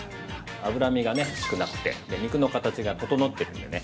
脂身が少なくて、肉の形が整っているのでね